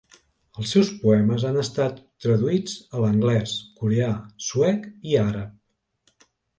Els seus poemes han estat traduïts a l'anglès, coreà, suec i àrab.